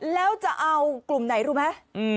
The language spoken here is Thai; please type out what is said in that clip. แล้วจะเอากลุ่มไหนรู้ไหม